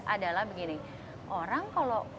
adalah begini orang kalau